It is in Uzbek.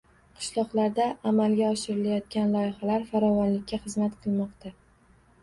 Qishloqlarda amalga oshirilayotgan loyihalar farovonlikka xizmat qilmoqda